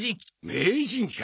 名人か。